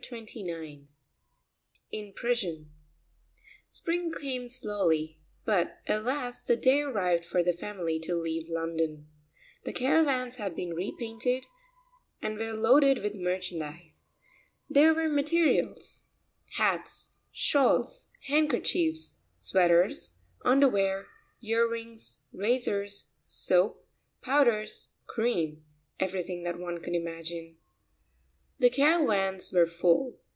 CHAPTER XXIX IN PRISON Spring came slowly, but at last the day arrived for the family to leave London. The caravans had been repainted and were loaded with merchandise. There were materials, hats, shawls, handkerchiefs, sweaters, underwear, ear rings, razors, soap, powders, cream, everything that one could imagine. The caravans were full.